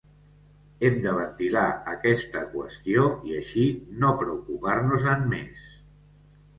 Hem de ventilar aquesta qüestió, i així no preocupar-nos-en més.